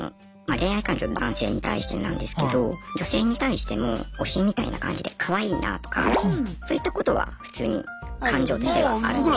恋愛感情男性に対してなんですけど女性に対しても推しみたいな感じでかわいいなとかそういったことは普通に感情としてはあるんですね。